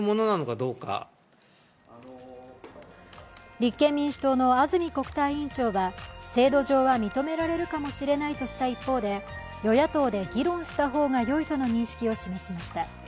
立憲民主党の安住国対委員長は制度上は認められるかもしれないとした一方で与野党で議論した方がよいとの認識を示しました。